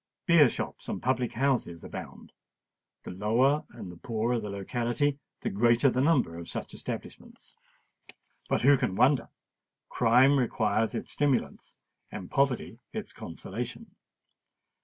Beer shops and public houses abound: the lower and the poorer the locality, the greater the number of such establishments. But who can wonder? Crime requires its stimulants—and poverty its consolation.